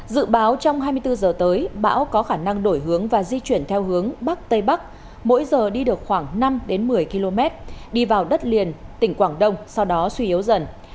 dự báo trong hai mươi bốn giờ tới bão có khả năng đổi hướng và di chuyển theo hướng bắc tây bắc mỗi giờ đi được khoảng năm một mươi km đi vào đất liền tỉnh quảng đông sau đó suy yếu dần